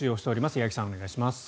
八木さん、お願いします。